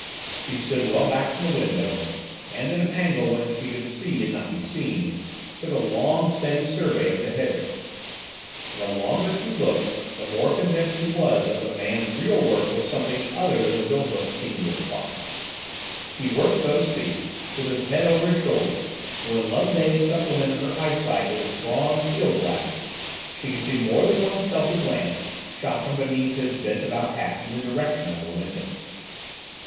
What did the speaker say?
She stood well back from the window, and at an angle whence she could see and not be seen, took a long, steady survey of the hedger. And the longer she looked the more convinced she was that the man's real work was something other than the bill hook seemed to imply. He worked, so to speak, with his head over his shoulder, and when Loveday supplemented her eyesight with a strong field glass, she could see more than one stealthy glance shot from beneath his bent about hat in the direction of her window.